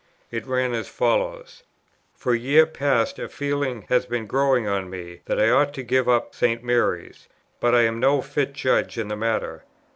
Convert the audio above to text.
It ran as follows: "For a year past a feeling has been growing on me that I ought to give up St. Mary's, but I am no fit judge in the matter.